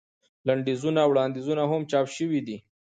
لنډیزونه او وړاندیزونه هم چاپ شوي دي.